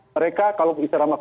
mereka kalau bisa ramah